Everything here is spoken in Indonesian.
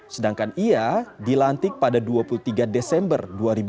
sedangkan ia dilantik pada dua puluh tiga desember dua ribu dua puluh